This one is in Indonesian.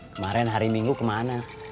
kemarin hari minggu kemana